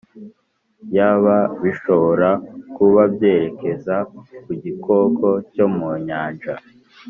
Yb Bishobora kuba byerekeza ku gikoko cyo mu nyanja